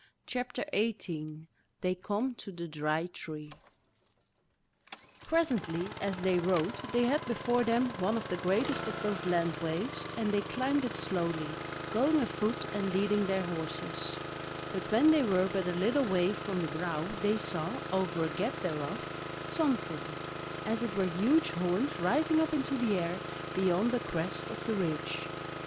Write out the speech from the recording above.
CHAPTER 18 They Come to the Dry Tree Presently as they rode they had before them one of the greatest of those land waves, and they climbed it slowly, going afoot and leading their horses; but when they were but a little way from the brow they saw, over a gap thereof, something, as it were huge horns rising up into the air beyond the crest of the ridge.